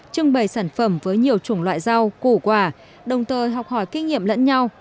trưng bày sản phẩm với nhiều chủng loại rau củ quả đồng thời học hỏi kinh nghiệm lẫn nhau